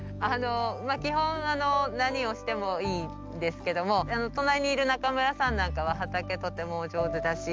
基本何をしてもいいんですけども隣にいる中村さんなんかは畑とてもお上手だし。